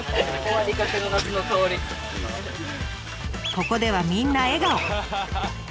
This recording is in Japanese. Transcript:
ここではみんな笑顔。